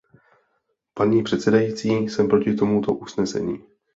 Paní předsedající, jsem proti tomuto usnesení.